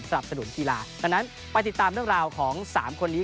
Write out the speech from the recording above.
สรรพสะดุนฮีลาดังนั้นไปติดตามเรื่องราวของสามคนนี้